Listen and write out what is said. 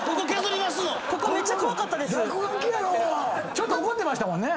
ちょっと怒ってたもんね。